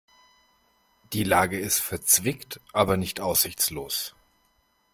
Die Lage ist verzwickt aber nicht aussichtslos.